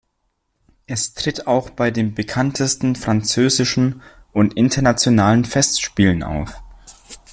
Es tritt auch bei den bekanntesten französischen und internationalen Festspielen auf.